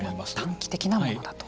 短期的なものだと。